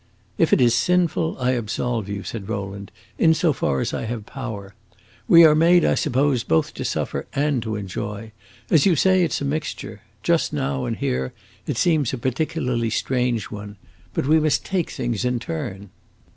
"If it is sinful, I absolve you," said Rowland, "in so far as I have power. We are made, I suppose, both to suffer and to enjoy. As you say, it 's a mixture. Just now and here, it seems a peculiarly strange one. But we must take things in turn."